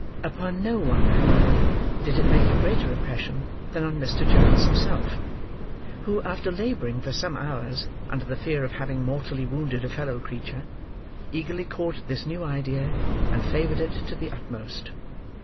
Upon no one, however, did it make a greater impression than on Mr. Giles himself; who, after labouring, for some hours, under the fear of having mortally wounded a fellow creature, eagerly caught at this new idea, and favoured it to the utmost.